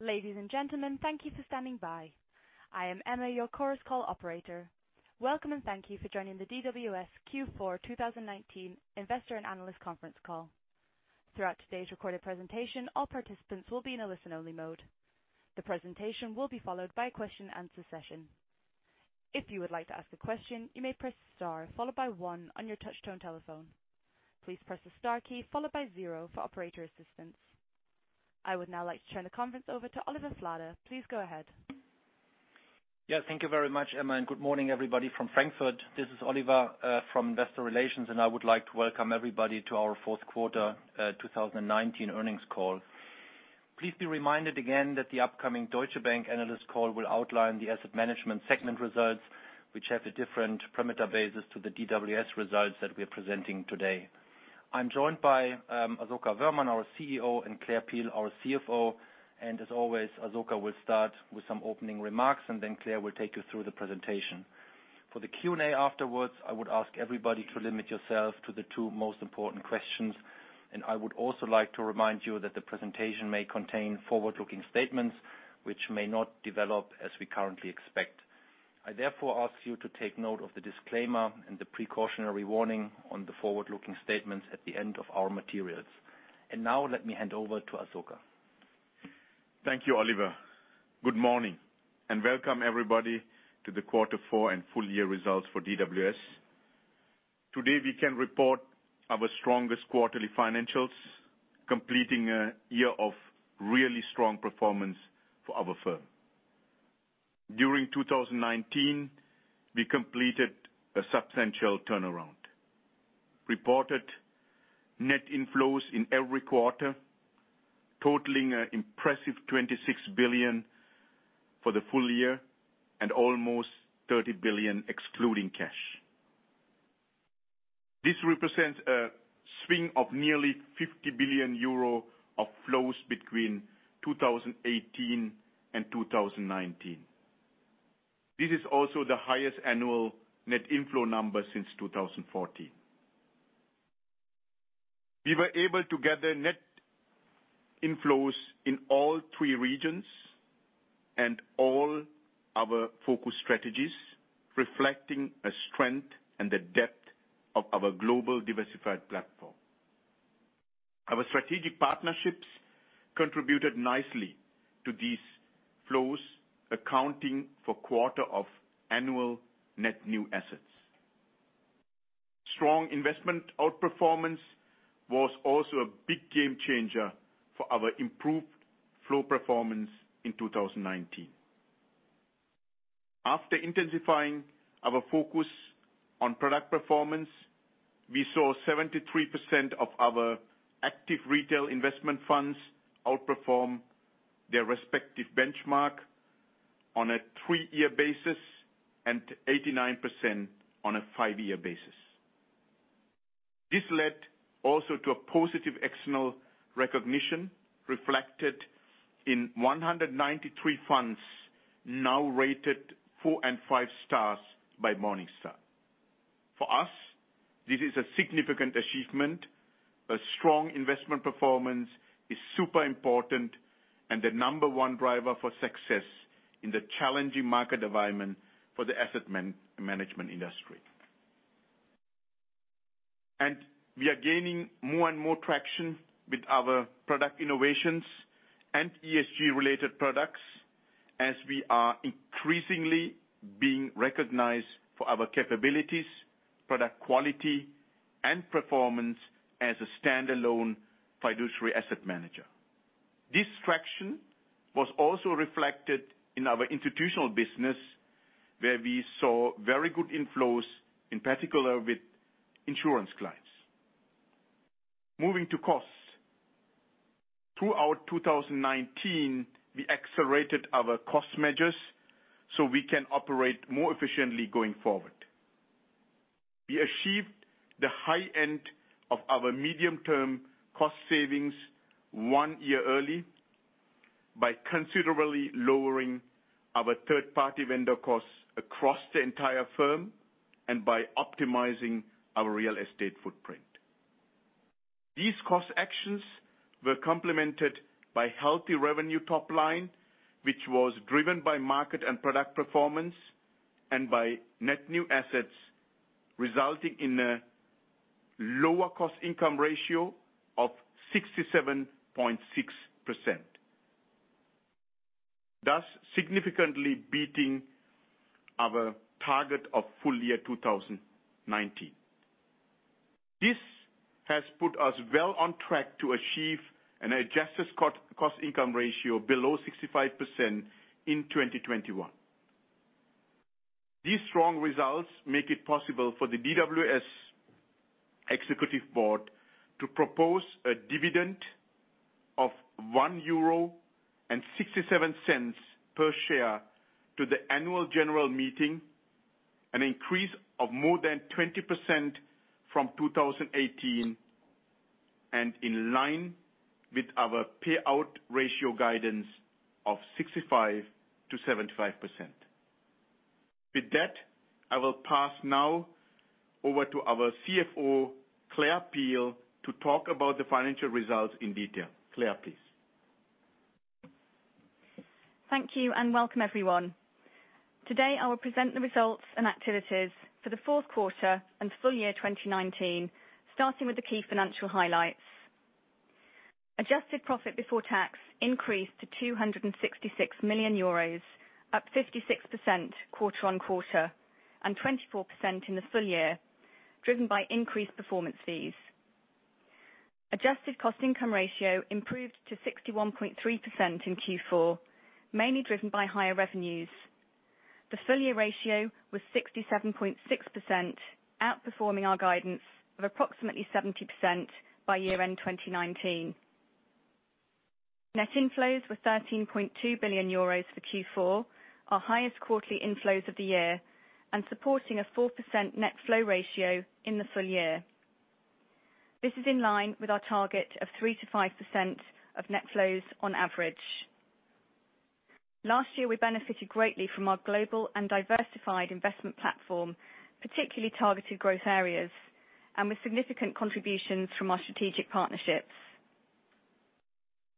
Ladies and gentlemen, thank you for standing by. I am Emma, your Chorus Call operator. Welcome, and thank you for joining the DWS Q4 2019 Investor and Analyst Conference Call. Throughout today's recorded presentation, all participants will be in a listen-only mode. The presentation will be followed by a question and answer session. If you would like to ask a question, you may press Star, followed by one on your touchtone telephone. Please press the Star key, followed by zero for operator assistance. I would now like to turn the conference over to Oliver Flade. Please go ahead. Yeah. Thank you very much, Emma, and good morning everybody from Frankfurt. This is Oliver from Investor Relations, and I would like to welcome everybody to our fourth quarter 2019 earnings call. Please be reminded again that the upcoming Deutsche Bank analyst call will outline the asset management segment results, which have a different parameter basis to the DWS results that we're presenting today. I'm joined by Asoka Wöhrmann, our CEO, and Claire Peel, our CFO, and as always, Asoka will start with some opening remarks, and then Claire will take you through the presentation. For the Q&A afterwards, I would ask everybody to limit yourselves to the two most important questions, and I would also like to remind you that the presentation may contain forward-looking statements which may not develop as we currently expect. I therefore ask you to take note of the disclaimer and the precautionary warning on the forward-looking statements at the end of our materials. Now let me hand over to Asoka. Thank you, Oliver. Good morning, and welcome everybody to the quarter four and full year results for DWS. Today we can report our strongest quarterly financials, completing a year of really strong performance for our firm. During 2019, we completed a substantial turnaround. Reported net inflows in every quarter, totaling an impressive 26 billion for the full year and almost 30 billion excluding cash. This represents a swing of nearly 50 billion euro of flows between 2018 and 2019. This is also the highest annual net inflow number since 2014. We were able to gather net inflows in all three regions and all our focus strategies, reflecting a strength and the depth of our global diversified platform. Our strategic partnerships contributed nicely to these flows, accounting for a quarter of annual net new assets. Strong investment outperformance was also a big game changer for our improved flow performance in 2019. After intensifying our focus on product performance, we saw 73% of our active retail investment funds outperform their respective benchmark on a three-year basis and 89% on a five-year basis. This led also to a positive external recognition reflected in 193 funds, now rated 4 and 5 stars by Morningstar. For us, this is a significant achievement. A strong investment performance is super important and the number one driver for success in the challenging market environment for the asset management industry. We are gaining more and more traction with our product innovations and ESG-related products as we are increasingly being recognized for our capabilities, product quality, and performance as a standalone fiduciary asset manager. This traction was also reflected in our institutional business, where we saw very good inflows, in particular with insurance clients. Moving to costs. Throughout 2019, we accelerated our cost measures so we can operate more efficiently going forward. We achieved the high end of our medium-term cost savings one year early by considerably lowering our third-party vendor costs across the entire firm and by optimizing our real estate footprint. These cost actions were complemented by healthy revenue top line, which was driven by market and product performance and by net new assets, resulting in a lower cost-income ratio of 67.6%. Thus, significantly beating our target of full year 2019. This has put us well on track to achieve an adjusted cost-income ratio below 65% in 2021. These strong results make it possible for the DWS executive board to propose a dividend of 1.67 euro per share to the annual general meeting, an increase of more than 20% from 2018, and in line with our payout ratio guidance of 65%-75%. With that, I will pass now over to our CFO, Claire Peel, to talk about the financial results in detail. Claire, please. Thank you, and welcome everyone. Today, I'll present the results and activities for the fourth quarter and full year 2019, starting with the key financial highlights. Adjusted PBT increased to EUR 266 million, up 56% quarter-on-quarter, and 24% in the full year, driven by increased performance fees. Adjusted cost income ratio improved to 61.3% in Q4, mainly driven by higher revenues. The full year ratio was 67.6%, outperforming our guidance of approximately 70% by year end 2019. NNA were 13.2 billion euros for Q4, our highest quarterly inflows of the year, and supporting a 4% net flow ratio in the full year. This is in line with our target of 3%-5% of net flows on average. Last year, we benefited greatly from our global and diversified investment platform, particularly targeted growth areas, with significant contributions from our strategic partnerships.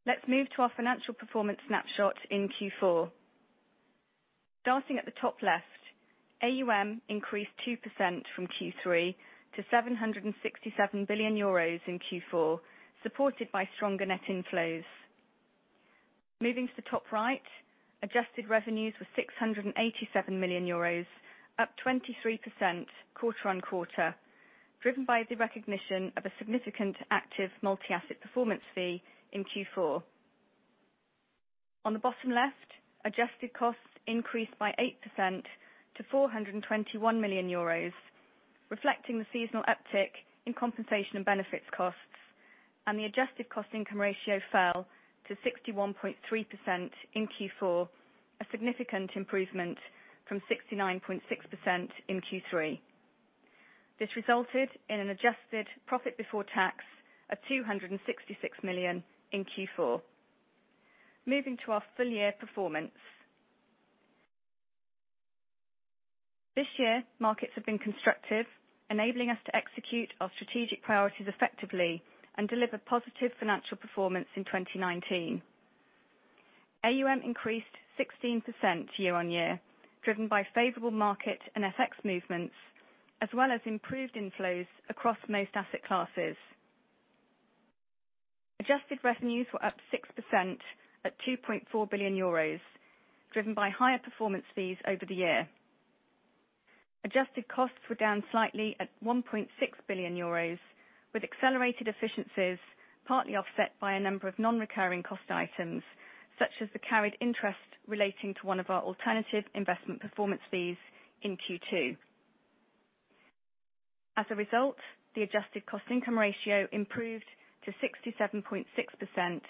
Let's move to our financial performance snapshot in Q4. Starting at the top left, AUM increased 2% from Q3 to 767 billion euros in Q4, supported by stronger net inflows. Moving to the top right, adjusted revenues were 687 million euros, up 23% quarter-on-quarter, driven by the recognition of a significant active multi-asset performance fee in Q4. On the bottom left, adjusted costs increased by 8% to 421 million euros, reflecting the seasonal uptick in compensation and benefits costs, and the adjusted cost income ratio fell to 61.3% in Q4, a significant improvement from 69.6% in Q3. This resulted in an adjusted profit before tax of 266 million in Q4. Moving to our full year performance. This year, markets have been constructive, enabling us to execute our strategic priorities effectively and deliver positive financial performance in 2019. AUM increased 16% year-on-year, driven by favorable market and FX movements, as well as improved inflows across most asset classes. Adjusted revenues were up 6% at 2.4 billion euros, driven by higher performance fees over the year. Adjusted costs were down slightly at 1.6 billion euros, with accelerated efficiencies partly offset by a number of non-recurring cost items, such as the carried interest relating to one of our alternative investment performance fees in Q2. The adjusted cost income ratio improved to 67.6%,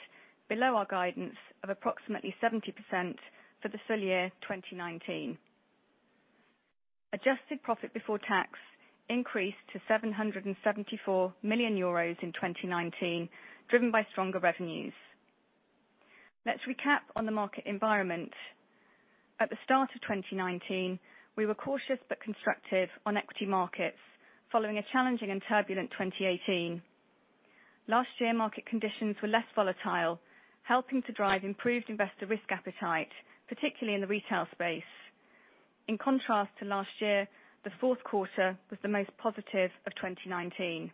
below our guidance of approximately 70% for the full year 2019. Adjusted profit before tax increased to 774 million euros in 2019, driven by stronger revenues. Let's recap on the market environment. At the start of 2019, we were cautious but constructive on equity markets, following a challenging and turbulent 2018. Last year, market conditions were less volatile, helping to drive improved investor risk appetite, particularly in the retail space. In contrast to last year, the fourth quarter was the most positive of 2019.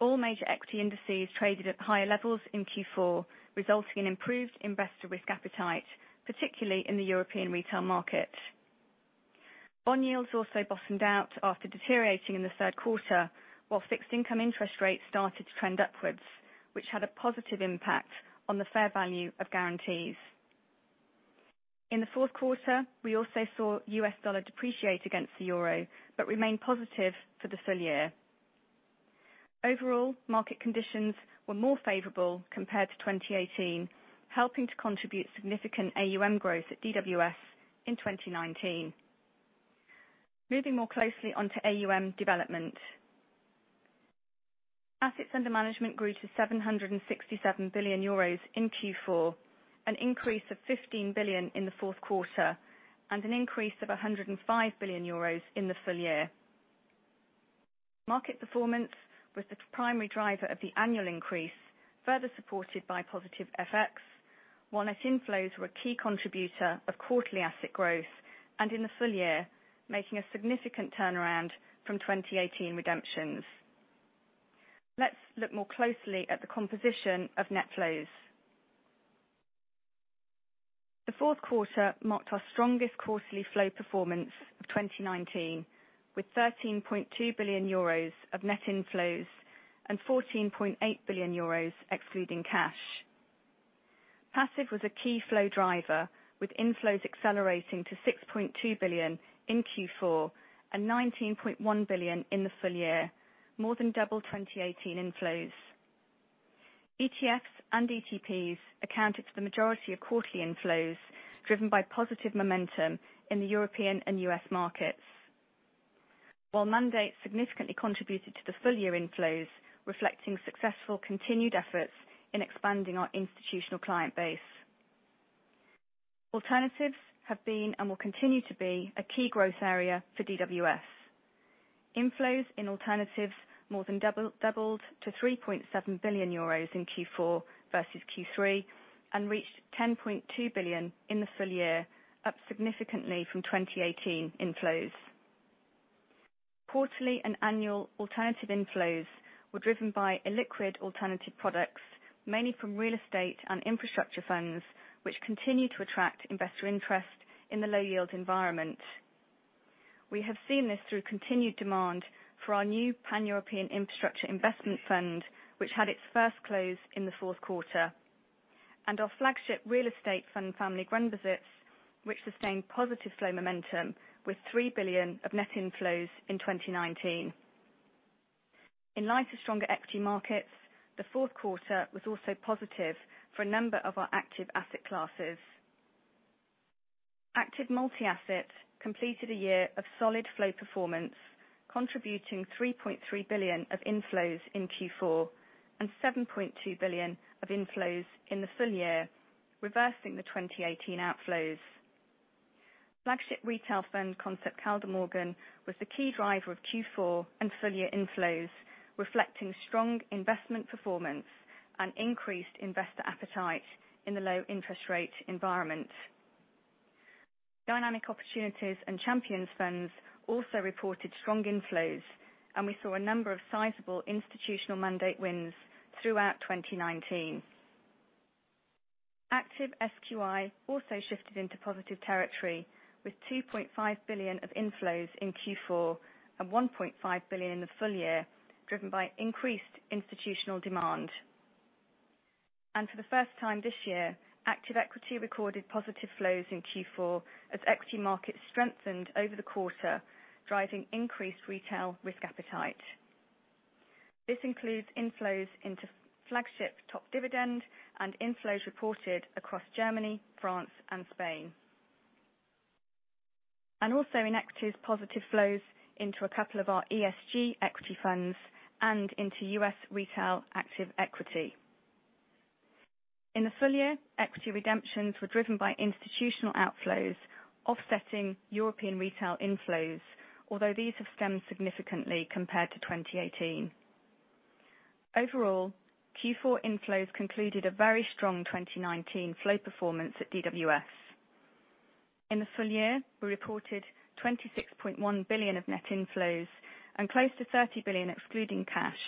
All major equity indices traded at higher levels in Q4, resulting in improved investor risk appetite, particularly in the European retail market. Bond yields also bottomed out after deteriorating in the third quarter, while fixed income interest rates started to trend upwards, which had a positive impact on the fair value of guarantees. In the fourth quarter, we also saw U.S. dollar depreciate against the euro, but remain positive for the full year. Overall, market conditions were more favorable compared to 2018, helping to contribute significant AUM growth at DWS in 2019. Moving more closely onto AUM development. Assets under management grew to 767 billion euros in Q4, an increase of 15 billion in the fourth quarter, and an increase of 105 billion euros in the full year. Market performance was the primary driver of the annual increase, further supported by positive FX, while net inflows were a key contributor of quarterly asset growth, and in the full year, making a significant turnaround from 2018 redemptions. Let's look more closely at the composition of net flows. The fourth quarter marked our strongest quarterly flow performance of 2019, with 13.2 billion euros of net inflows and 14.8 billion euros excluding cash. Passive was a key flow driver, with inflows accelerating to 6.2 billion in Q4, and 19.1 billion in the full year, more than double 2018 inflows. ETFs and ETPs accounted for the majority of quarterly inflows, driven by positive momentum in the European and U.S. markets. Mandates significantly contributed to the full year inflows, reflecting successful continued efforts in expanding our institutional client base. Alternatives have been and will continue to be a key growth area for DWS. Inflows in alternatives more than doubled to 3.7 billion euros in Q4 versus Q3, and reached 10.2 billion in the full year, up significantly from 2018 inflows. Quarterly and annual alternative inflows were driven by illiquid alternative products, mainly from real estate and infrastructure funds, which continue to attract investor interest in the low yield environment. We have seen this through continued demand for our new Pan-European Infrastructure investment fund, which had its first close in the fourth quarter, and our flagship real estate fund family, Grundbesitz, which sustained positive flow momentum with 3 billion of net inflows in 2019. In light of stronger equity markets, the fourth quarter was also positive for a number of our active asset classes. Active multi-asset completed a year of solid flow performance, contributing 3.3 billion of inflows in Q4 and 7.2 billion of inflows in the full year, reversing the 2018 outflows. Flagship retail fund Concept Kaldemorgen was the key driver of Q4 and full-year inflows, reflecting strong investment performance and increased investor appetite in the low interest rate environment. Dynamic Opportunities and Champions funds also reported strong inflows, and we saw a number of sizable institutional mandate wins throughout 2019. Active SQI also shifted into positive territory with 2.5 billion of inflows in Q4 and 1.5 billion in the full year, driven by increased institutional demand. For the first time this year, active equity recorded positive flows in Q4 as equity markets strengthened over the quarter, driving increased retail risk appetite. This includes inflows into flagship Top Dividende and inflows reported across Germany, France and Spain. Also in equities, positive flows into a couple of our ESG equity funds and into U.S. retail active equity. In the full year, equity redemptions were driven by institutional outflows offsetting European retail inflows, although these have stemmed significantly compared to 2018. Overall, Q4 inflows concluded a very strong 2019 flow performance at DWS. In the full year, we reported 26.1 billion of net inflows and close to 30 billion excluding cash,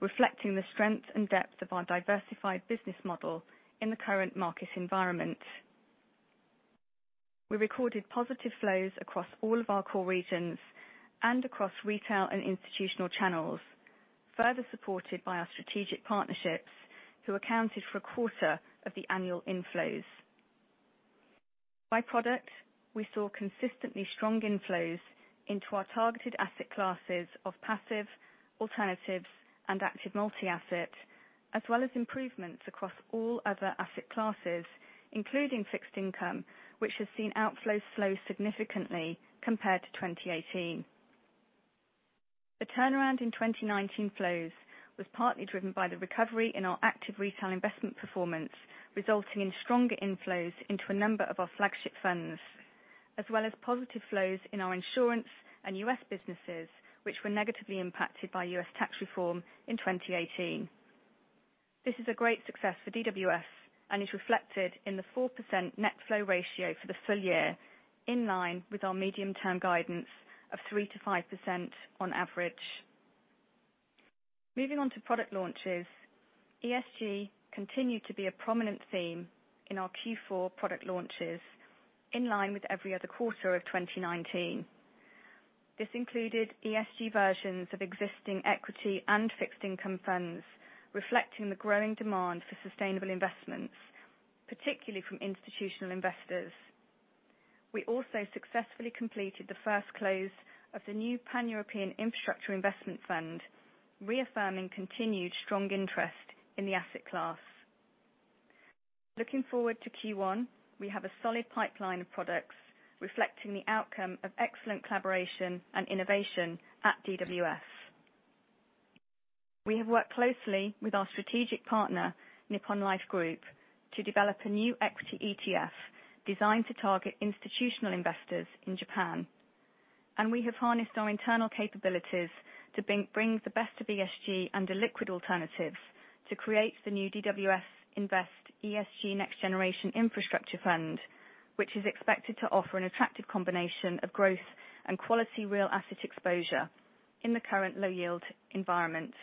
reflecting the strength and depth of our diversified business model in the current market environment. We recorded positive flows across all of our core regions and across retail and institutional channels, further supported by our strategic partnerships, who accounted for a quarter of the annual inflows. By product, we saw consistently strong inflows into our targeted asset classes of passive, alternatives and active multi-asset, as well as improvements across all other asset classes, including fixed income, which has seen outflows slow significantly compared to 2018. The turnaround in 2019 flows was partly driven by the recovery in our active retail investment performance, resulting in stronger inflows into a number of our flagship funds, as well as positive flows in our insurance and U.S. businesses, which were negatively impacted by U.S. tax reform in 2018. This is a great success for DWS, is reflected in the 4% net flow ratio for the full year, in line with our medium-term guidance of 3%-5% on average. Moving on to product launches. ESG continued to be a prominent theme in our Q4 product launches, in line with every other quarter of 2019. This included ESG versions of existing equity and fixed income funds, reflecting the growing demand for sustainable investments, particularly from institutional investors. We also successfully completed the first close of the new Pan-European Infrastructure Investment Fund, reaffirming continued strong interest in the asset class. Looking forward to Q1, we have a solid pipeline of products reflecting the outcome of excellent collaboration and innovation at DWS. We have worked closely with our strategic partner, Nippon Life Group, to develop a new equity ETF designed to target institutional investors in Japan. We have harnessed our internal capabilities to bring the best of ESG and illiquid alternatives to create the new DWS Invest ESG Next Generation Infrastructure, which is expected to offer an attractive combination of growth and quality real asset exposure in the current low yield environment.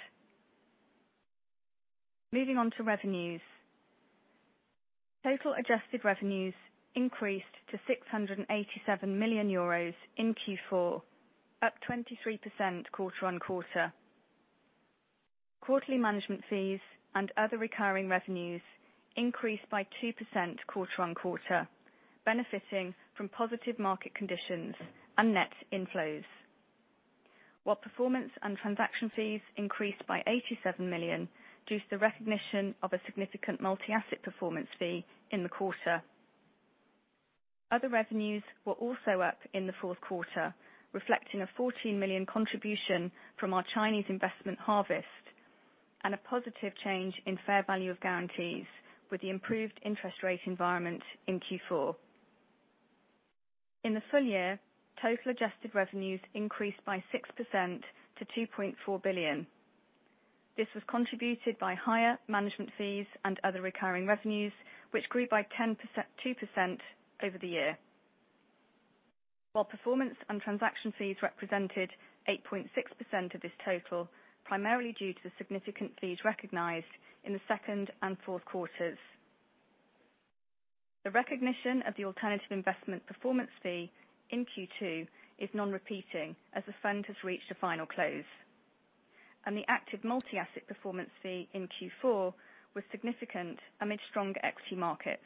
Moving on to revenues. Total adjusted revenues increased to 687 million euros in Q4, up 23% quarter-on-quarter. Quarterly management fees and other recurring revenues increased by 2% quarter-on-quarter, benefiting from positive market conditions and net inflows. While performance and transaction fees increased by €87 million due to the recognition of a significant multi-asset performance fee in the quarter. Other revenues were also up in the fourth quarter, reflecting a 14 million contribution from our Chinese investment Harvest and a positive change in fair value of guarantees with the improved interest rate environment in Q4. In the full year, total adjusted revenues increased by 6% to 2.4 billion. This was contributed by higher management fees and other recurring revenues, which grew by 2% over the year. While performance and transaction fees represented 8.6% of this total, primarily due to the significant fees recognized in the second and fourth quarters. The recognition of the alternative investment performance fee in Q2 is non-repeating, as the fund has reached a final close. The active multi-asset performance fee in Q4 was significant amid stronger equity markets.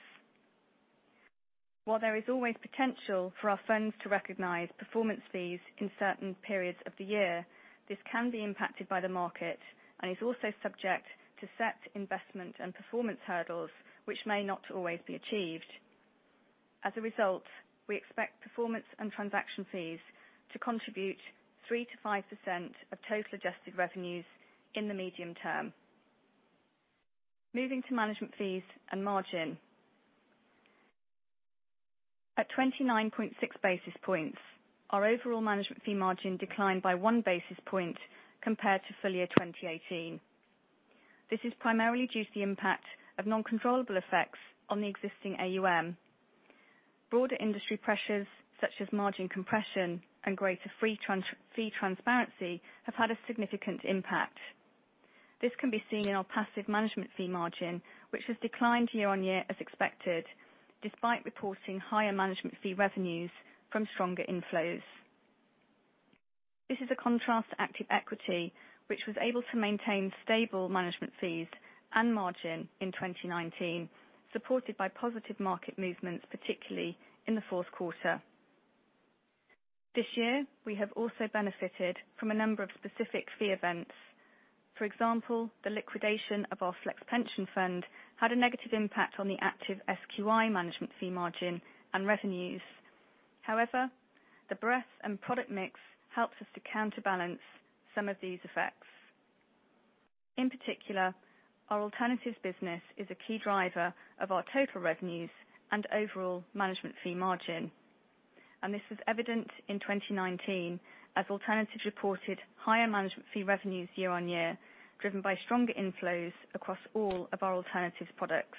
While there is always potential for our funds to recognize performance fees in certain periods of the year, this can be impacted by the market and is also subject to set investment and performance hurdles, which may not always be achieved. As a result, we expect performance and transaction fees to contribute 3%-5% of total adjusted revenues in the medium term. Moving to management fees and margin. At 29.6 basis points, our overall management fee margin declined by one basis point compared to full year 2018. This is primarily due to the impact of non-controllable effects on the existing AUM. Broader industry pressures, such as margin compression and greater fee transparency, have had a significant impact. This can be seen in our passive management fee margin, which has declined year-on-year as expected, despite reporting higher management fee revenues from stronger inflows. This is a contrast to active equity, which was able to maintain stable management fees and margin in 2019, supported by positive market movements, particularly in the fourth quarter. This year, we have also benefited from a number of specific fee events. For example, the liquidation of our Flex Pension Fund had a negative impact on the active SQI management fee margin and revenues. The breadth and product mix helps us to counterbalance some of these effects. In particular, our alternatives business is a key driver of our total revenues and overall management fee margin. This was evident in 2019, as alternatives reported higher management fee revenues year-on-year, driven by stronger inflows across all of our alternatives products.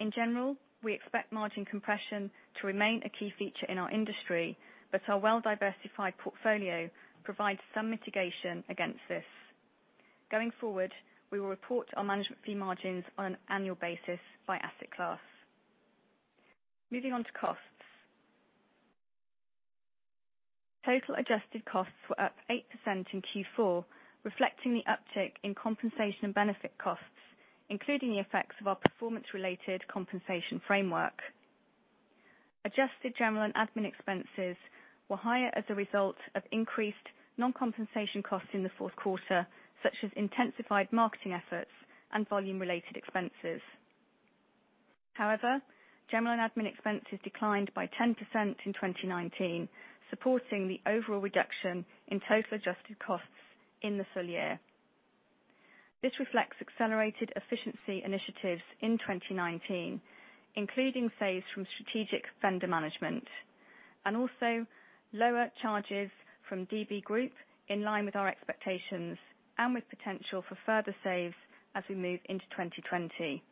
In general, we expect margin compression to remain a key feature in our industry, but our well-diversified portfolio provides some mitigation against this. Going forward, we will report our management fee margins on an annual basis by asset class. Moving on to costs. Total adjusted costs were up 8% in Q4, reflecting the uptick in compensation and benefit costs, including the effects of our performance-related compensation framework. Adjusted general and admin expenses were higher as a result of increased non-compensation costs in the fourth quarter, such as intensified marketing efforts and volume-related expenses. General and admin expenses declined by 10% in 2019, supporting the overall reduction in total adjusted costs in the full year. This reflects accelerated efficiency initiatives in 2019, including saves from strategic vendor management, and also lower charges from DB Group, in line with our expectations and with potential for further saves as we move into 2020.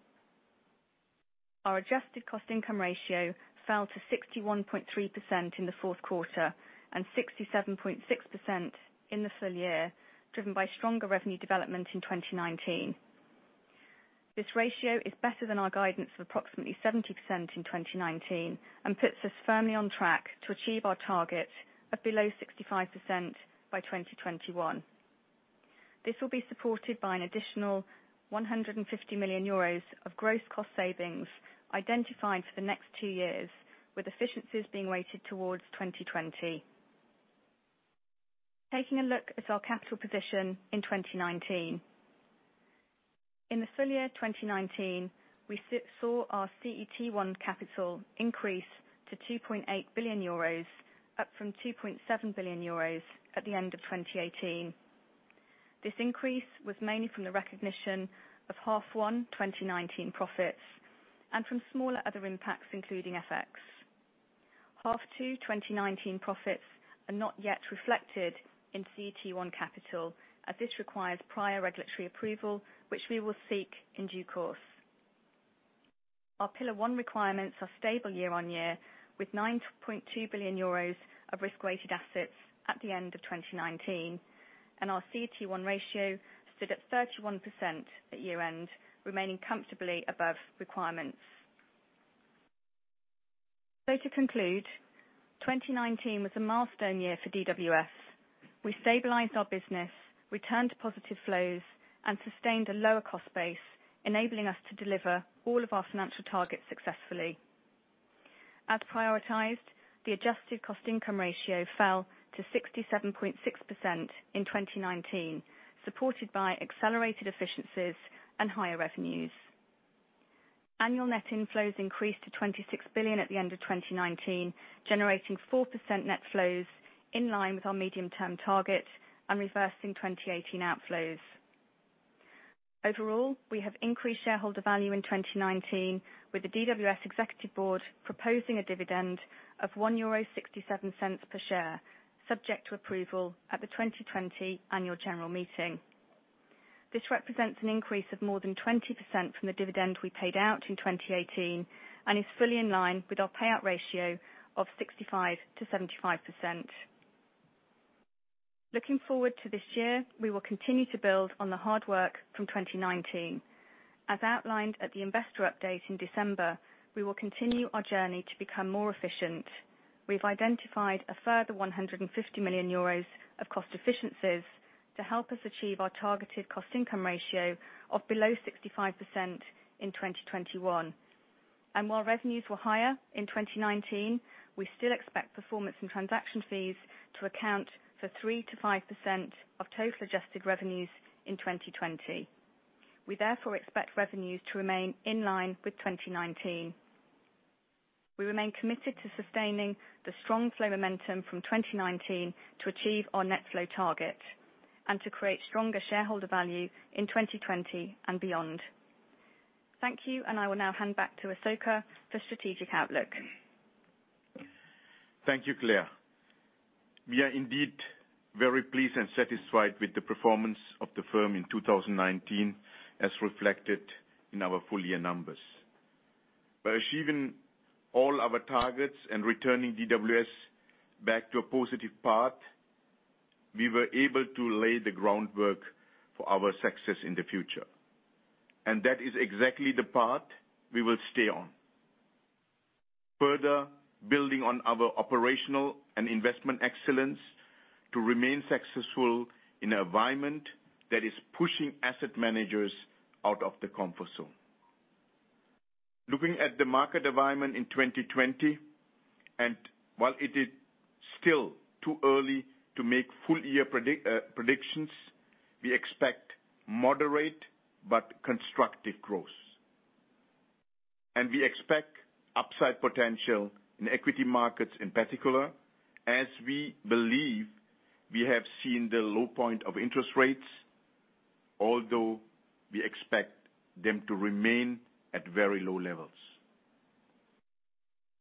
Our adjusted cost income ratio fell to 61.3% in the fourth quarter and 67.6% in the full year, driven by stronger revenue development in 2019. This ratio is better than our guidance of approximately 70% in 2019 and puts us firmly on track to achieve our target of below 65% by 2021. This will be supported by an additional 150 million euros of gross cost savings identified for the next two years, with efficiencies being weighted towards 2020. Taking a look at our capital position in 2019. In the full year 2019, we saw our CET1 capital increase to 2.8 billion euros, up from 2.7 billion euros at the end of 2018. This increase was mainly from the recognition of half one 2019 profits and from smaller other impacts, including FX. Half two 2019 profits are not yet reflected in CET1 capital, as this requires prior regulatory approval, which we will seek in due course. Our Pillar 1 requirements are stable year-on-year, with 9.2 billion euros of risk-weighted assets at the end of 2019. Our CET1 ratio stood at 31% at year-end, remaining comfortably above requirements. To conclude, 2019 was a milestone year for DWS. We stabilized our business, returned to positive flows, and sustained a lower cost base, enabling us to deliver all of our financial targets successfully. As prioritized, the adjusted cost income ratio fell to 67.6% in 2019, supported by accelerated efficiencies and higher revenues. Annual net inflows increased to 26 billion at the end of 2019, generating 4% net flows in line with our medium-term target and reversing 2018 outflows. Overall, we have increased shareholder value in 2019 with the DWS executive board proposing a dividend of 1.67 euro per share, subject to approval at the 2020 annual general meeting. This represents an increase of more than 20% from the dividend we paid out in 2018 and is fully in line with our payout ratio of 65%-75%. Looking forward to this year, we will continue to build on the hard work from 2019. As outlined at the investor update in December, we will continue our journey to become more efficient. We've identified a further 150 million euros of cost efficiencies to help us achieve our targeted cost income ratio of below 65% in 2021. While revenues were higher in 2019, we still expect performance and transaction fees to account for 3%-5% of total adjusted revenues in 2020. We therefore expect revenues to remain in line with 2019. We remain committed to sustaining the strong flow momentum from 2019 to achieve our net flow target and to create stronger shareholder value in 2020 and beyond. Thank you, and I will now hand back to Asoka for strategic outlook. Thank you, Claire. We are indeed very pleased and satisfied with the performance of the firm in 2019, as reflected in our full year numbers. By achieving all our targets and returning DWS back to a positive path, we were able to lay the groundwork for our success in the future. That is exactly the path we will stay on. Further building on our operational and investment excellence to remain successful in an environment that is pushing asset managers out of the comfort zone. Looking at the market environment in 2020, and while it is still too early to make full year predictions, we expect moderate but constructive growth. We expect upside potential in equity markets in particular, as we believe we have seen the low point of interest rates, although we expect them to remain at very low levels.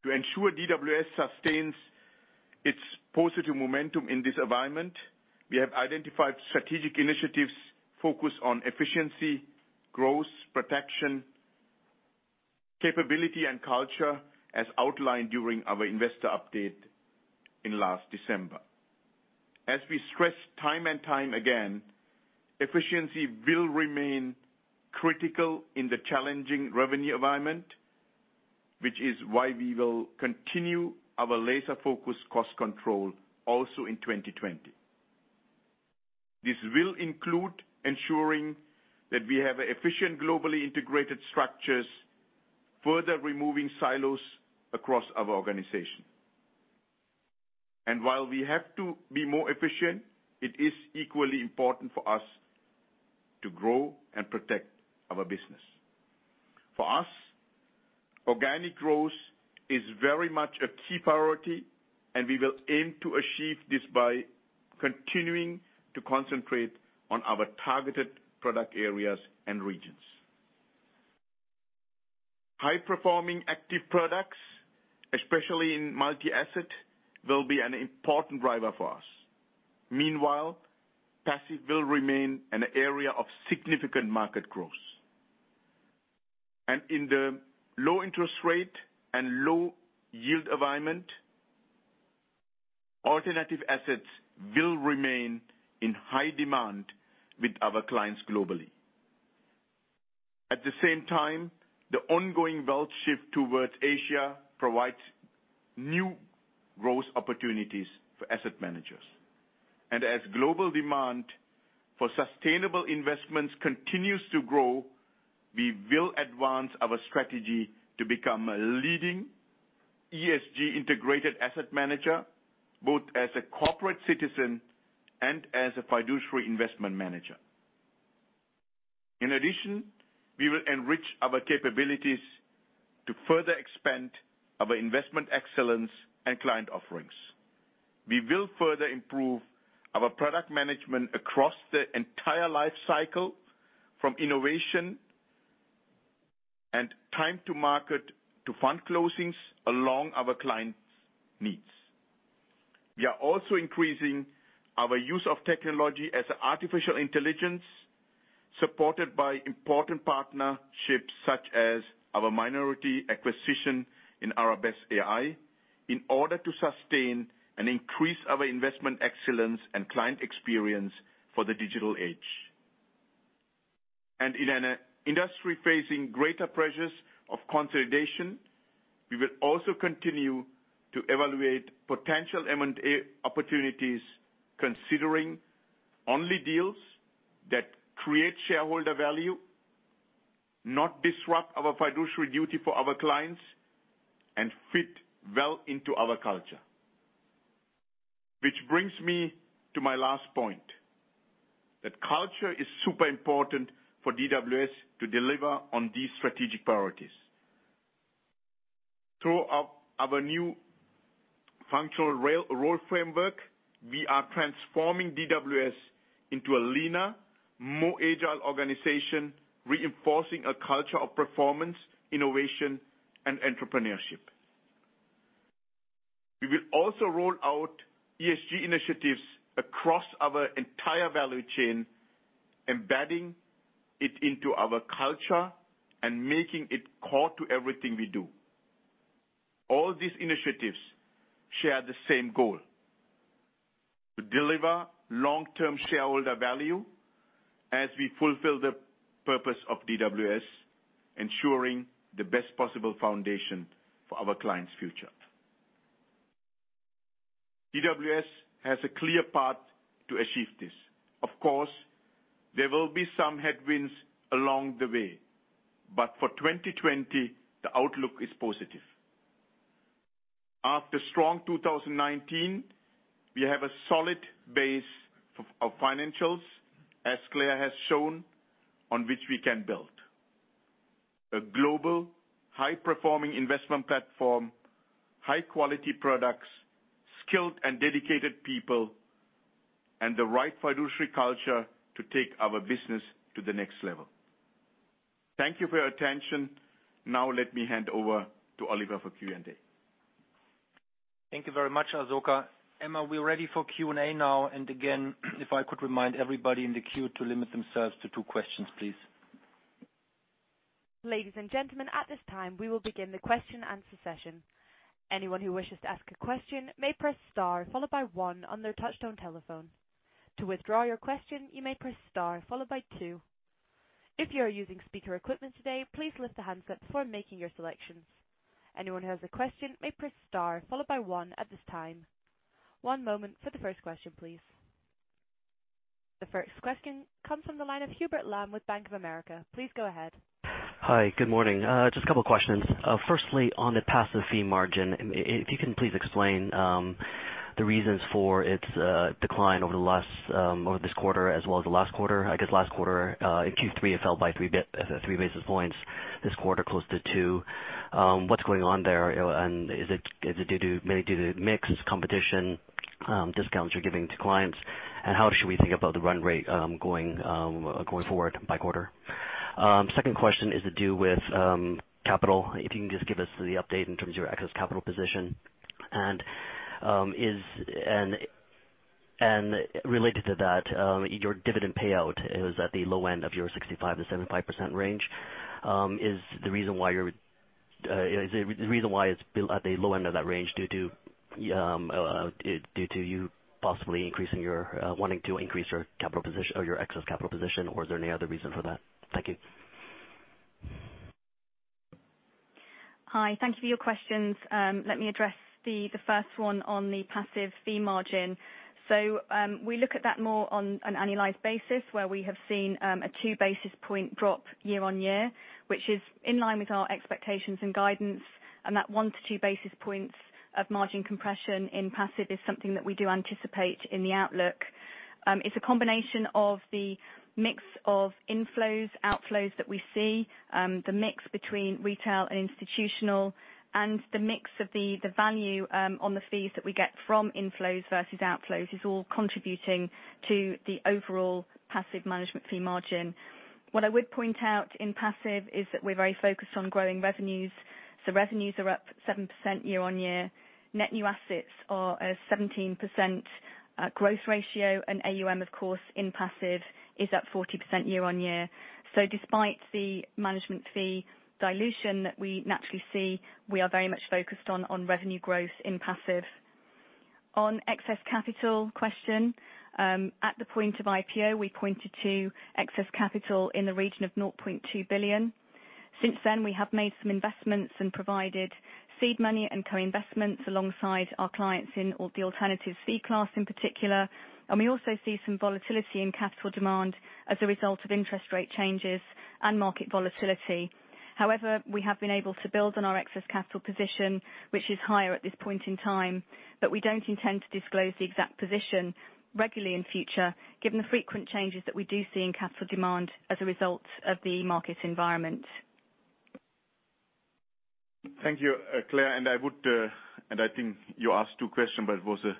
To ensure DWS sustains its positive momentum in this environment, we have identified strategic initiatives focused on efficiency, growth, protection, capability, and culture, as outlined during our investor update in last December. As we stress time and time again, efficiency will remain critical in the challenging revenue environment, which is why we will continue our laser-focused cost control also in 2020. This will include ensuring that we have efficient, globally integrated structures, further removing silos across our organization. While we have to be more efficient, it is equally important for us to grow and protect our business. For us, organic growth is very much a key priority, and we will aim to achieve this by continuing to concentrate on our targeted product areas and regions. High-performing active products, especially in multi-asset, will be an important driver for us. Meanwhile, passive will remain an area of significant market growth. In the low interest rate and low yield environment, alternative assets will remain in high demand with our clients globally. At the same time, the ongoing wealth shift towards Asia provides new growth opportunities for asset managers. As global demand for sustainable investments continues to grow, we will advance our strategy to become a leading ESG integrated asset manager, both as a corporate citizen and as a fiduciary investment manager. In addition, we will enrich our capabilities to further expand our investment excellence and client offerings. We will further improve our product management across the entire life cycle from innovation and time to market to fund closings along our clients' needs. We are also increasing our use of technology as artificial intelligence, supported by important partnerships such as our minority acquisition in Arabesque AI, in order to sustain and increase our investment excellence and client experience for the digital age. In an industry facing greater pressures of consolidation, we will also continue to evaluate potential M&A opportunities, considering only deals that create shareholder value, not disrupt our fiduciary duty for our clients and fit well into our culture. Which brings me to my last point, that culture is super important for DWS to deliver on these strategic priorities. Through our new functional role framework, we are transforming DWS into a leaner, more agile organization, reinforcing a culture of performance, innovation and entrepreneurship. We will also roll out ESG initiatives across our entire value chain, embedding it into our culture and making it core to everything we do. All these initiatives share the same goal. To deliver long-term shareholder value as we fulfill the purpose of DWS, ensuring the best possible foundation for our clients' future. DWS has a clear path to achieve this. Of course, there will be some headwinds along the way, but for 2020, the outlook is positive. After strong 2019, we have a solid base of financials, as Claire has shown, on which we can build. A global high-performing investment platform, high-quality products, skilled and dedicated people, and the right fiduciary culture to take our business to the next level. Thank you for your attention. Now let me hand over to Oliver for Q&A. Thank you very much, Asoka. Emma, we're ready for Q&A now. Again, if I could remind everybody in the queue to limit themselves to two questions, please. Ladies and gentlemen, at this time, we will begin the question answer session. Anyone who wishes to ask a question may press star followed by one on their touch-tone telephone. To withdraw your question, you may press star followed by two. If you are using speaker equipment today, please lift the handset before making your selections. Anyone who has a question may press star followed by one at this time. One moment for the first question, please. The first question comes from the line of Hubert Lam with Bank of America. Please go ahead. Hi. Good morning. Just a couple questions. Firstly, on the passive fee margin, if you can please explain the reasons for its decline over this quarter as well as the last quarter. I guess last quarter, in Q3, it fell by three basis points. This quarter, close to two. What's going on there? Is it maybe due to mix competition discounts you're giving to clients? How should we think about the run rate going forward by quarter? Second question is to do with capital. If you can just give us the update in terms of your excess capital position. Related to that, your dividend payout is at the low end of your 65%-75% range. Is the reason why it's at the low end of that range due to you possibly wanting to increase your excess capital position, or is there any other reason for that? Thank you. Hi. Thank you for your questions. Let me address the first one on the passive fee margin. We look at that more on an annualized basis, where we have seen a two basis point drop year-on-year, which is in line with our expectations and guidance. That one to two basis points of margin compression in passive is something that we do anticipate in the outlook. It's a combination of the mix of inflows, outflows that we see, the mix between retail and institutional, and the mix of the value on the fees that we get from inflows versus outflows is all contributing to the overall passive management fee margin. What I would point out in passive is that we're very focused on growing revenues. Revenues are up 7% year-on-year. Net new assets are a 17% growth ratio. AUM, of course, in passive is up 40% year-over-year. Despite the management fee dilution that we naturally see, we are very much focused on revenue growth in passive. On excess capital question. At the point of IPO, we pointed to excess capital in the region of 0.2 billion. Since then, we have made some investments and provided seed money and co-investments alongside our clients in the alternatives fee class in particular. We also see some volatility in capital demand as a result of interest rate changes and market volatility. However, we have been able to build on our excess capital position, which is higher at this point in time, but we don't intend to disclose the exact position regularly in future, given the frequent changes that we do see in capital demand as a result of the market environment. Thank you, Claire. I think you asked two question, but it was a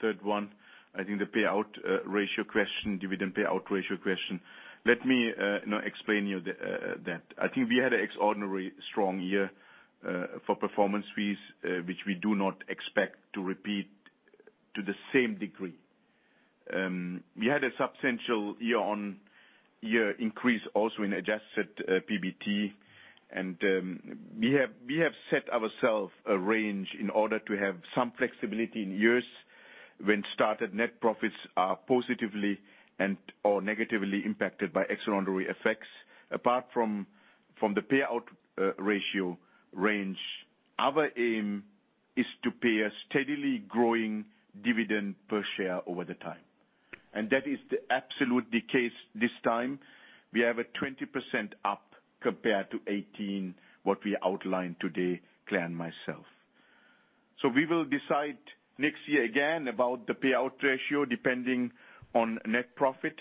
third one. I think the payout ratio question, dividend payout ratio question. Let me now explain you that. I think we had an extraordinary strong year for performance fees, which we do not expect to repeat to the same degree. We had a substantial year-on-year increase also in adjusted PBT. We have set ourself a range in order to have some flexibility in years when started net profits are positively and/or negatively impacted by extraordinary effects. Apart from the payout ratio range, our aim is to pay a steadily growing dividend per share over the time. That is absolutely the case this time. We have a 20% up compared to 2018, what we outlined today, Claire and myself. We will decide next year again about the payout ratio, depending on net profit,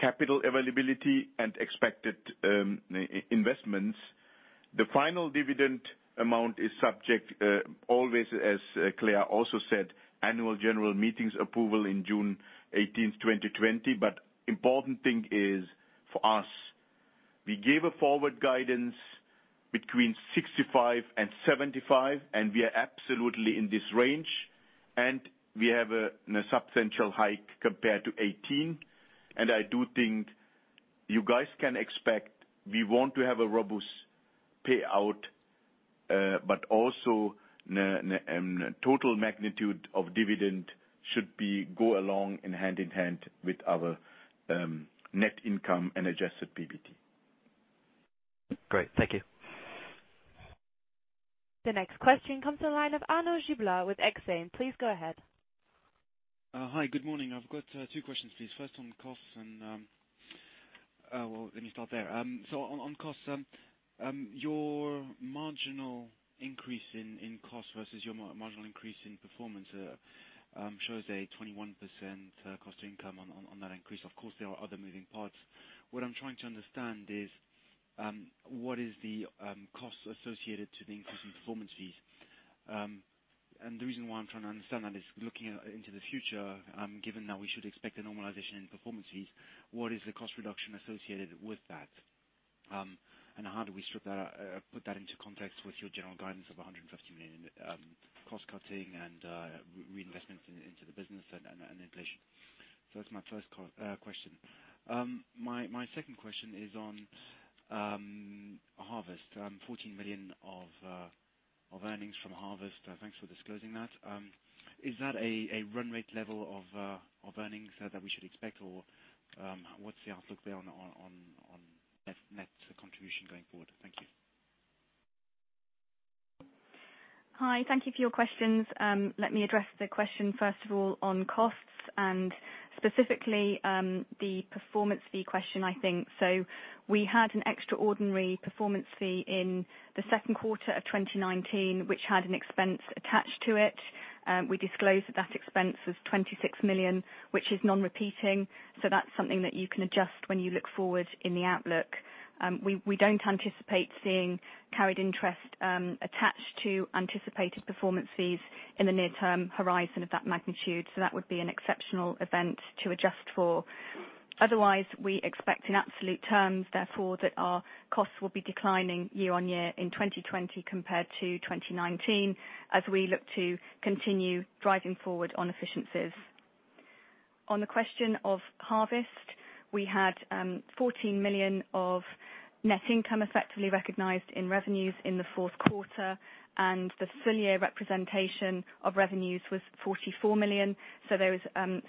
capital availability, and expected investments. The final dividend amount is subject always, as Claire also said, annual general meetings approval in June 18th, 2020. Important thing is, for us, we gave a forward guidance between 65 and 75, and we are absolutely in this range, and we have a substantial hike compared to 2018. I do think you guys can expect we want to have a robust payout, but also total magnitude of dividend should go along hand in hand with our net income and adjusted PBT. Great. Thank you. The next question comes to the line of Arnaud Giblat with Exane. Please go ahead. Hi, good morning. I've got two questions, please. First on costs and, well, let me start there. On costs, your marginal increase in costs versus your marginal increase in performance shows a 21% cost income on that increase. Of course, there are other moving parts. What I'm trying to understand is, what is the costs associated to the increase in performance fees? The reason why I'm trying to understand that is looking into the future, given that we should expect a normalization in performance fees, what is the cost reduction associated with that? How do we put that into context with your general guidance of 150 million in cost cutting and reinvestments into the business and inflation? That's my first question. My second question is on Harvest. 14 million of earnings from Harvest. Thanks for disclosing that. Is that a run rate level of earnings that we should expect? What's the outlook there on net contribution going forward? Thank you. Hi. Thank you for your questions. Let me address the question, first of all, on costs, and specifically the performance fee question, I think. We had an extraordinary performance fee in the second quarter of 2019, which had an expense attached to it. We disclosed that expense was 26 million, which is non-repeating. That's something that you can adjust when you look forward in the outlook. We don't anticipate seeing carried interest attached to anticipated performance fees in the near-term horizon of that magnitude. That would be an exceptional event to adjust for. Otherwise, we expect in absolute terms, therefore, that our costs will be declining year-on-year in 2020 compared to 2019, as we look to continue driving forward on efficiencies. On the question of Harvest, we had 14 million of net income, effectively recognized in revenues in the fourth quarter. The full-year representation of revenues was 44 million. There is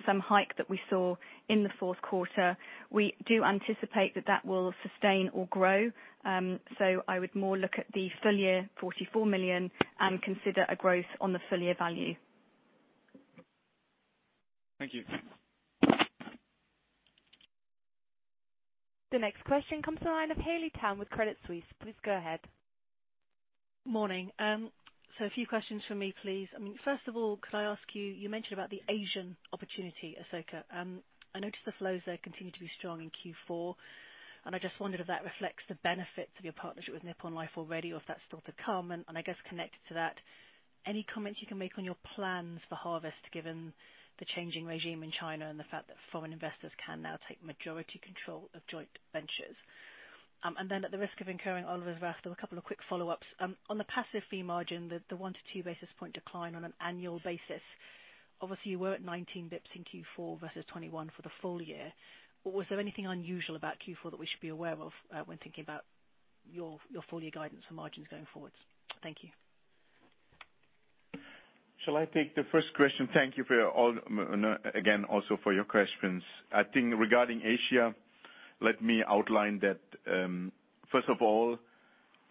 some hike that we saw in the fourth quarter. We do anticipate that that will sustain or grow. I would more look at the full year, 44 million, and consider a growth on the full-year value. Thank you. The next question comes to the line of Haley Tam with Credit Suisse. Please go ahead. Morning. A few questions from me, please. First of all, could I ask you mentioned about the Asian opportunity, Asoka. I noticed the flows there continue to be strong in Q4. I just wondered if that reflects the benefits of your partnership with Nippon Life already, or if that's still to come. I guess connected to that, any comments you can make on your plans for Harvest, given the changing regime in China and the fact that foreign investors can now take majority control of joint ventures? At the risk of incurring Oliver's wrath, a couple of quick follow-ups. On the passive fee margin, the 1-2 basis point decline on an annual basis, obviously you were at 19 basis points in Q4 versus 21 basis points for the full year. Was there anything unusual about Q4 that we should be aware of when thinking about your full year guidance for margins going forwards? Thank you. Shall I take the first question? Thank you again, also for your questions. I think regarding Asia, let me outline that. First of all,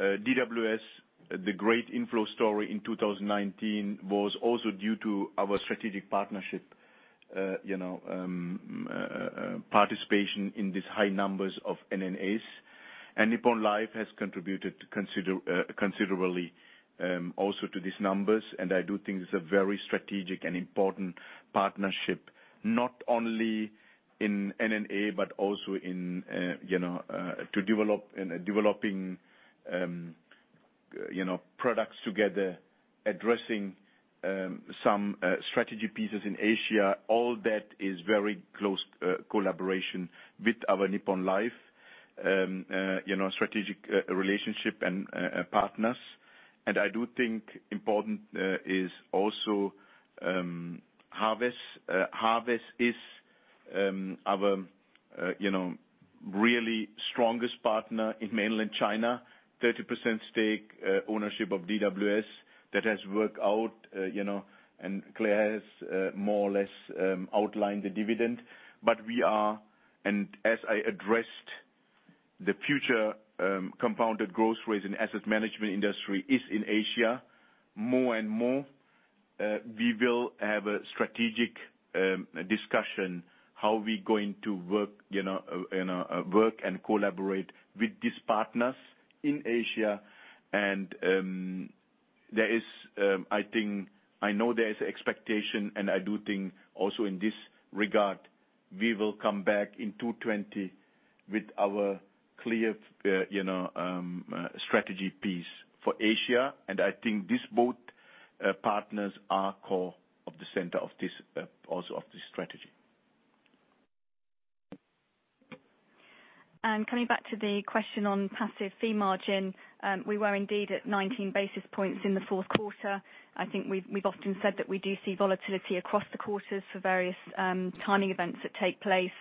DWS, the great inflow story in 2019 was also due to our strategic partnership, participation in these high numbers of NNAs, and Nippon Life has contributed considerably also to these numbers, and I do think it's a very strategic and important partnership, not only in NNA, but also in developing products together, addressing some strategy pieces in Asia. All that is very close collaboration with our Nippon Life strategic relationship and partners. I do think important is also Harvest. Harvest is our really strongest partner in mainland China, 30% stake ownership of DWS. That has worked out, and Claire has more or less outlined the dividend. The future compounded growth rates in asset management industry is in Asia. More and more, we will have a strategic discussion how we're going to work and collaborate with these partners in Asia. I know there is expectation, and I do think also in this regard, we will come back in 2020 with our clear strategy piece for Asia. I think these both partners are core of the center of this strategy. Coming back to the question on passive fee margin, we were indeed at 19 basis points in the fourth quarter. I think we've often said that we do see volatility across the quarters for various timing events that take place.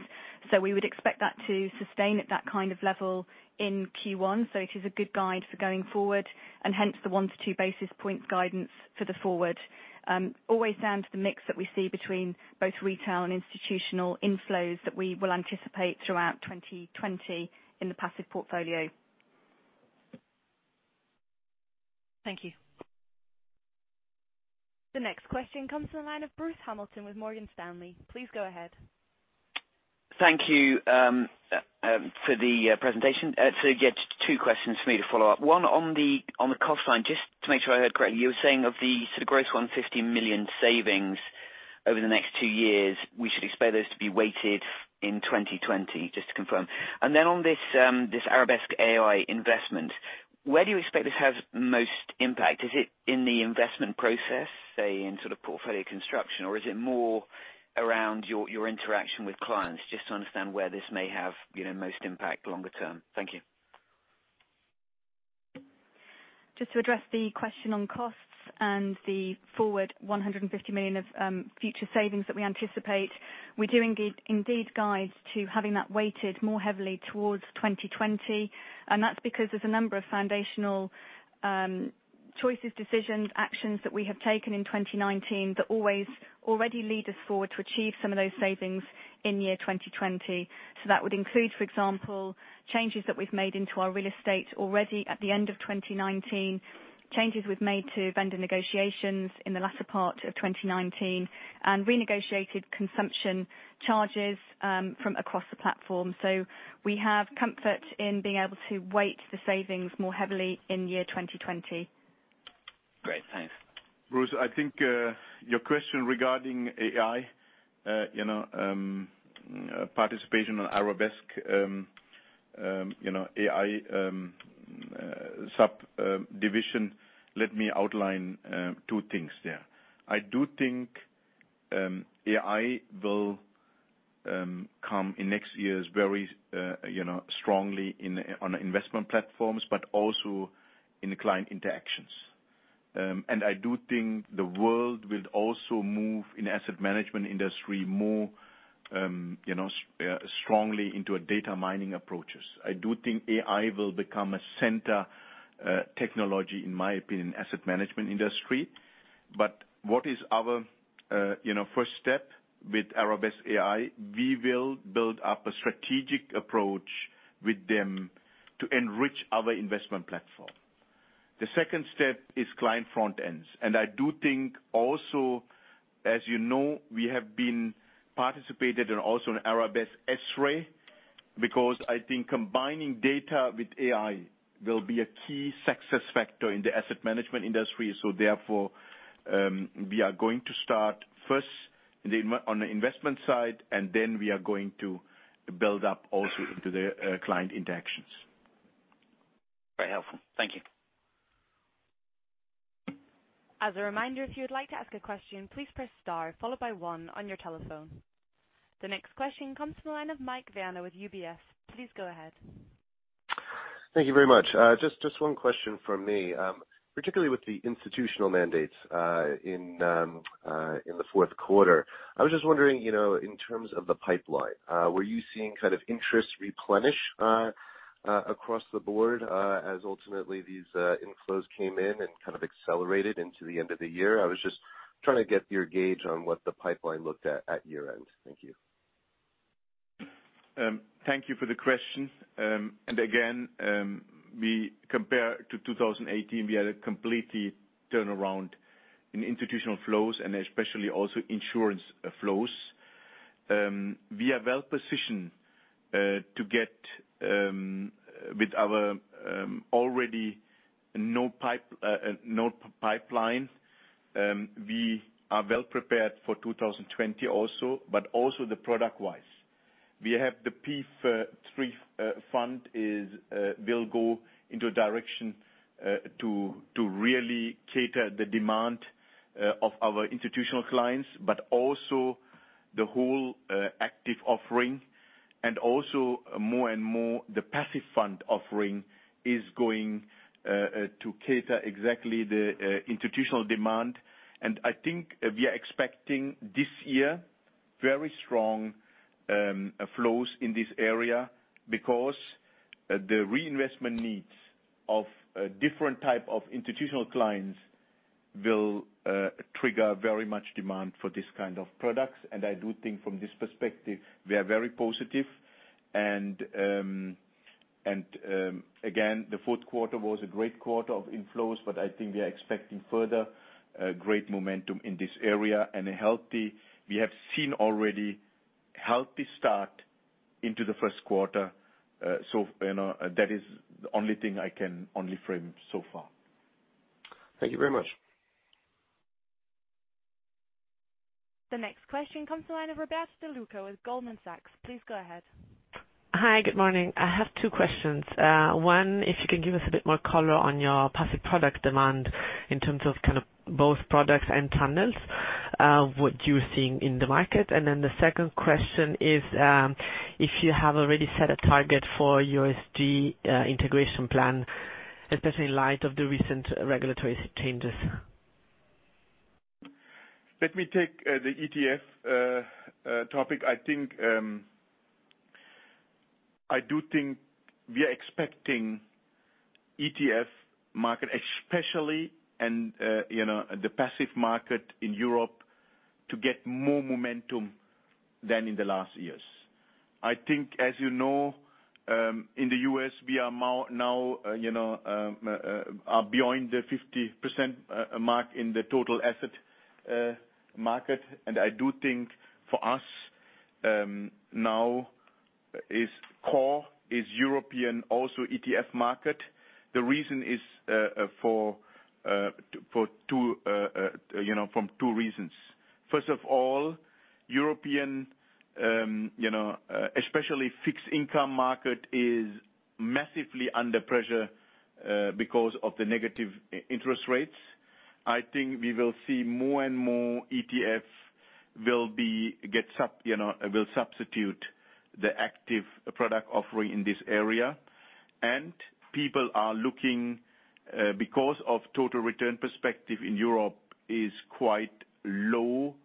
We would expect that to sustain at that kind of level in Q1. It is a good guide for going forward, and hence the 1-2 basis points guidance for the forward. Always down to the mix that we see between both retail and institutional inflows that we will anticipate throughout 2020 in the passive portfolio. Thank you. The next question comes from the line of Bruce Hamilton with Morgan Stanley. Please go ahead. Thank you for the presentation. Just two questions for me to follow up. One on the cost line, just to make sure I heard correctly, you were saying of the sort of gross 150 million savings over the next two years, we should expect those to be weighted in 2020, just to confirm. Then on this Arabesque AI investment, where do you expect this to have most impact? Is it in the investment process, say, in sort of portfolio construction? Or is it more around your interaction with clients? Just to understand where this may have most impact longer term. Thank you. Just to address the question on costs and the forward 150 million of future savings that we anticipate. We do indeed guide to having that weighted more heavily towards 2020, and that's because there's a number of foundational choices, decisions, actions that we have taken in 2019 that already lead us forward to achieve some of those savings in year 2020. That would include, for example, changes that we've made into our real estate already at the end of 2019, changes we've made to vendor negotiations in the latter part of 2019, and renegotiated consumption charges from across the platform. We have comfort in being able to weight the savings more heavily in year 2020. Great. Thanks. Bruce, I think, your question regarding AI, participation on Arabesque AI subdivision, let me outline two things there. I do think AI will come in next years very strongly on investment platforms, but also in the client interactions. I do think the world will also move in asset management industry more strongly into a data mining approaches. I do think AI will become a center technology, in my opinion, asset management industry. What is our first step with Arabesque AI? We will build up a strategic approach with them to enrich our investment platform. The second step is client front ends. I do think also as you know, we have been participated in also in Arabesque S-Ray, because I think combining data with AI will be a key success factor in the asset management industry. Therefore, we are going to start first on the investment side, and then we are going to build up also into the client interactions. Very helpful. Thank you. As a reminder, if you would like to ask a question, please press star followed by one on your telephone. The next question comes from the line of Mike Werner with UBS. Please go ahead. Thank you very much. Just one question from me, particularly with the institutional mandates in the fourth quarter. I was just wondering, in terms of the pipeline, were you seeing kind of interest replenish across the board as ultimately these inflows came in and kind of accelerated into the end of the year? I was just trying to get your gauge on what the pipeline looked at year-end. Thank you. Thank you for the question. Again, we compare to 2018, we had a complete turnaround in institutional flows and especially also insurance flows. We are well-positioned to get with our already known pipeline. We are well prepared for 2020 also product-wise. We have the PEIF III fund will go in a direction to really cater the demand of our institutional clients, also the whole active offering. Also more and more the passive fund offering is going to cater exactly the institutional demand. I think we are expecting this year very strong flows in this area because the reinvestment needs of different types of institutional clients will trigger very much demand for this kind of products. I do think from this perspective, we are very positive. Again, the fourth quarter was a great quarter of inflows, but I think we are expecting further great momentum in this area. We have seen already a healthy start into the first quarter, so that is the only thing I can only frame so far. Thank you very much. The next question comes from the line of Roberta De Luca with Goldman Sachs. Please go ahead. Hi, good morning. I have two questions. One, if you can give us a bit more color on your passive product demand in terms of both products and channels, what you're seeing in the market. The second question is, if you have already set a target for your ESG integration plan, especially in light of the recent regulatory changes. Let me take the ETF topic. I do think we are expecting ETF market, especially in the passive market in Europe, to get more momentum than in the last years. I think, as you know, in the U.S., we are now beyond the 50% mark in the total asset market. I do think for us now is core, is European also ETF market. From two reasons. First of all, European, especially fixed income market, is massively under pressure because of the negative interest rates. I think we will see more and more ETF will substitute the active product offering in this area. People are looking, because of total return perspective in Europe is quite low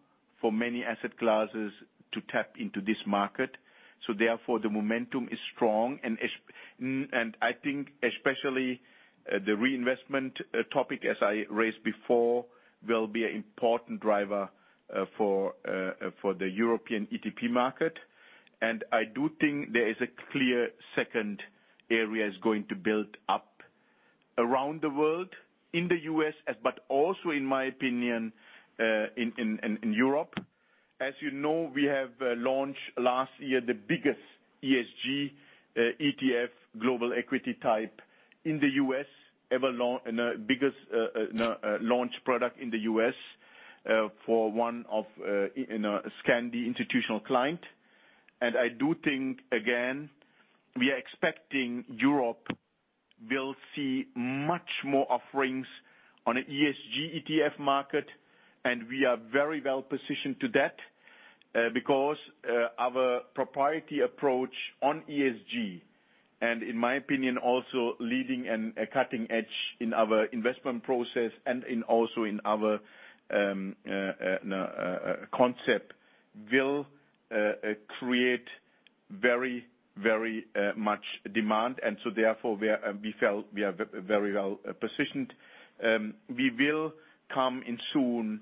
for many asset classes to tap into this market. Therefore, the momentum is strong. I think especially the reinvestment topic, as I raised before, will be an important driver for the European ETP market. I do think there is a clear second area is going to build up around the world, in the U.S., but also, in my opinion, in Europe. As you know, we have launched last year the biggest ESG ETF global equity type in the U.S., biggest launch product in the U.S. for one of Scandinavian institutional client. I do think, again, we are expecting Europe will see much more offerings on an ESG ETF market, and we are very well positioned to that, because our propriety approach on ESG, and in my opinion, also leading and cutting edge in our investment process and also in our concept, will create very much demand. Therefore, we are very well positioned. We will come in soon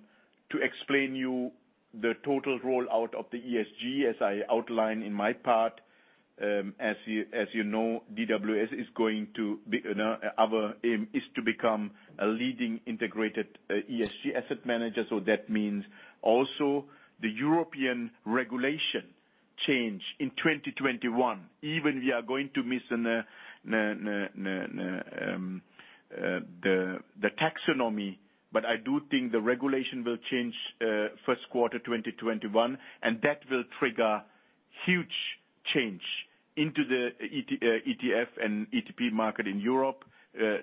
to explain you the total rollout of the ESG, as I outlined in my part. As you know, our aim is to become a leading integrated ESG asset manager. That means also the European regulation change in 2021. Even we are going to miss the taxonomy. I do think the regulation will change first quarter 2021. That will trigger huge change into the ETF and ETP market in Europe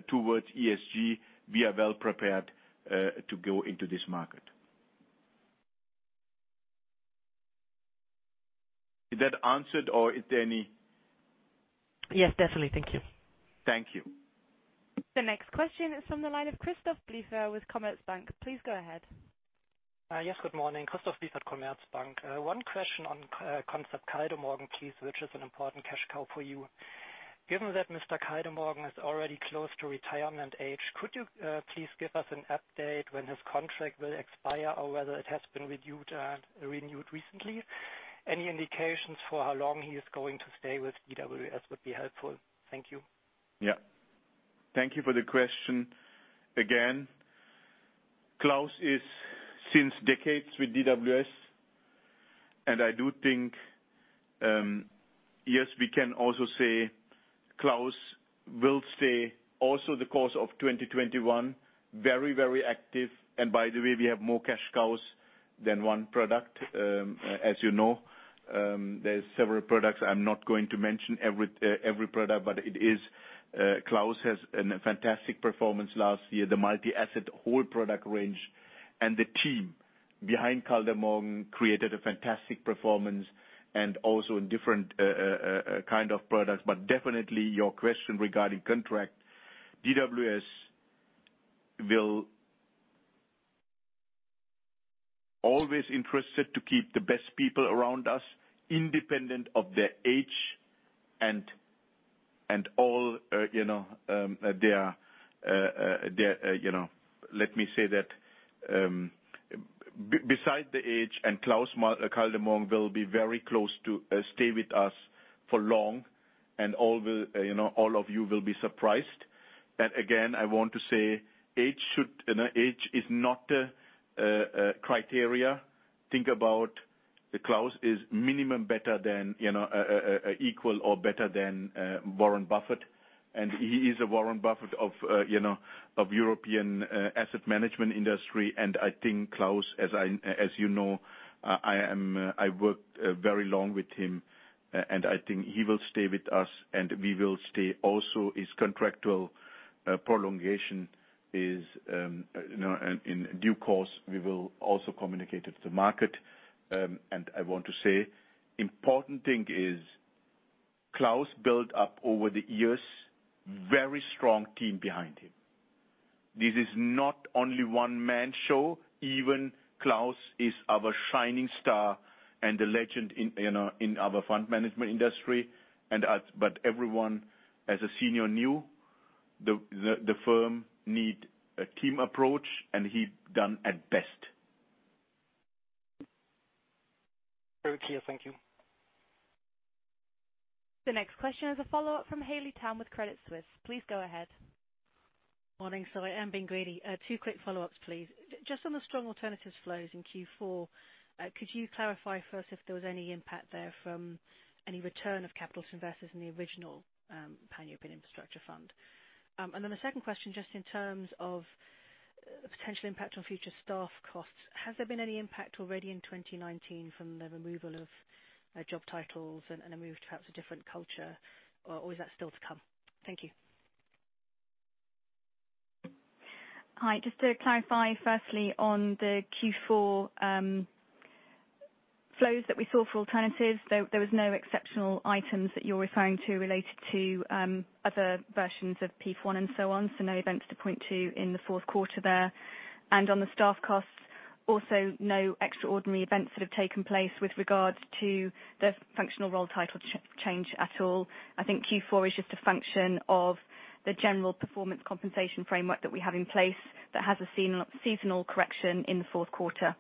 towards ESG. We are well prepared to go into this market. Did that answer it, or is there any? Yes, definitely. Thank you. Thank you. The next question is from the line of Christoph Blieffert with Commerzbank. Please go ahead. Yes, good morning. Christoph Blieffert, Commerzbank. One question on Concept Kaldemorgen please, which is an important cash cow for you. Given that Mr. Kaldemorgen is already close to retirement age, could you please give us an update when his contract will expire or whether it has been renewed recently? Any indications for how long he is going to stay with DWS would be helpful. Thank you. Yeah. Thank you for the question again. Klaus is since decades with DWS, and I do think, yes, we can also say Klaus will stay also the course of 2021, very active. By the way, we have more cash cows than one product. As you know, there's several products. I'm not going to mention every product, Klaus has a fantastic performance last year. The multi-asset whole product range and the team behind Kaldemorgen created a fantastic performance and also in different kind of products. Definitely your question regarding contract, DWS will always interested to keep the best people around us independent of their age. Let me say that beside the age, Klaus Kaldemorgen will be very close to stay with us for long, and all of you will be surprised. Again, I want to say age is not a criteria. Think about, Klaus is minimum equal or better than Warren Buffett. He is a Warren Buffett of European asset management industry. I think Klaus, as you know, I worked very long with him, and I think he will stay with us and we will stay also. His contractual prolongation is in due course, we will also communicate it to market. I want to say important thing is Klaus built up over the years, very strong team behind him. This is not only one-man show, even Klaus is our shining star and a legend in our fund management industry. Everyone as a senior knew the firm need a team approach, and he done at best. Very clear. Thank you. The next question is a follow-up from Haley Tam with Credit Suisse. Please go ahead. Morning. Sorry, I am being greedy. Two quick follow-ups, please. Just on the strong alternatives flows in Q4, could you clarify first if there was any impact there from any return of capital to investors in the original Pan-European Infrastructure Fund? A second question, just in terms of potential impact on future staff costs. Has there been any impact already in 2019 from the removal of job titles and a move to perhaps a different culture? Is that still to come? Thank you. Hi, just to clarify, firstly, on the Q4 flows that we saw for alternatives, there was no exceptional items that you're referring to related to other versions of PEIF 1 and so on. No events to point to in the fourth quarter there. On the staff costs, also no extraordinary events that have taken place with regards to the functional role title change at all. I think Q4 is just a function of the general performance compensation framework that we have in place that has a seasonal correction in the fourth quarter.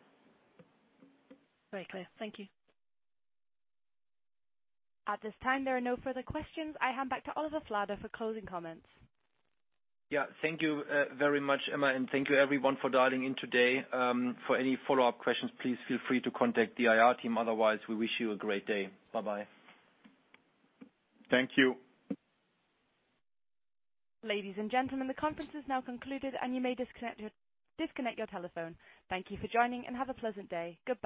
Very clear. Thank you. At this time, there are no further questions. I hand back to Oliver Flade for closing comments. Yeah. Thank you very much, Emma. Thank you everyone for dialing in today. For any follow-up questions, please feel free to contact the IR team. Otherwise, we wish you a great day. Bye-bye. Thank you. Ladies and gentlemen, the conference is now concluded, and you may disconnect your telephone. Thank you for joining, and have a pleasant day. Goodbye